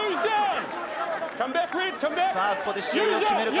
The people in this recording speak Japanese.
ここで試合を決めるか？